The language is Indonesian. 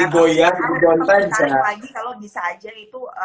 kalau bisa aja itu